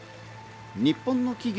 日本の企業